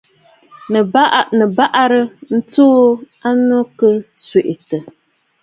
Nɨ̀ bàrà tsuu ɨnnù ki tswɛɛ.